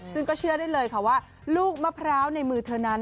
ซึ่งก็เชื่อได้เลยค่ะว่าลูกมะพร้าวในมือเธอนั้น